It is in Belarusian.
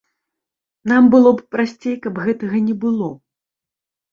Нам было б прасцей, каб гэтага не было.